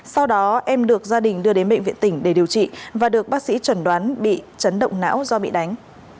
sau đó em được gia đình đưa đến bệnh viện tỉnh để điều trị và được bác sĩ chuẩn đoán bị chấn động não do bị đánh